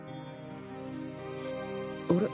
あれ？